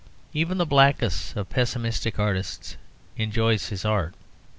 Even the blackest of pessimistic artists enjoys his art.